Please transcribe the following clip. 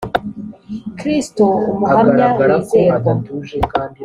kristo umuhamya wizerwa